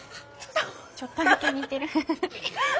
ちょっとだけ似てる。